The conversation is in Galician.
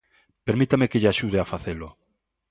Permítame que lle axude a facelo.